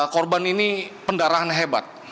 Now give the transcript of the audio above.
korban ini pendarahan hebat